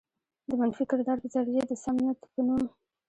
د منفي کردار په ذريعه د صمد په نوم